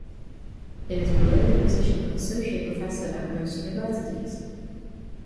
It is below the position of associate professor at most universities.